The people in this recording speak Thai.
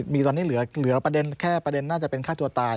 มีตอนนี้เหลือประเด็นแค่ประเด็นน่าจะเป็นฆ่าตัวตาย